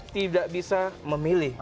tidak bisa memilih